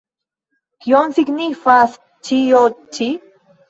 Kion signifas ĉio ĉi?